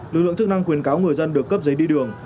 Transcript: lực lượng chức năng khuyến cáo người dân được cấp giấy đi đường